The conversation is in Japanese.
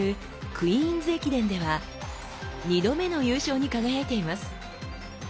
「クイーンズ駅伝」では２度目の優勝に輝いています。